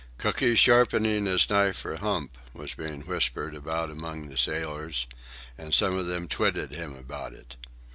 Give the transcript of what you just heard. "Cooky's sharpening his knife for Hump," was being whispered about among the sailors, and some of them twitted him about it.